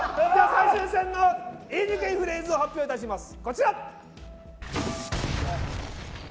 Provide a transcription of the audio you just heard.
最終戦の言いにくいフレーズを発表いたします。